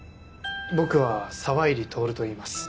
僕は沢入徹といいます。